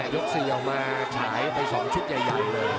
ยกเสียวมาฉายไป๒ชุดใหญ่เลย